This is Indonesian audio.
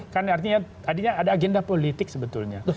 kan artinya tadinya ada agenda politik sebetulnya